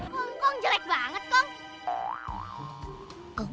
kongkong jelek banget kong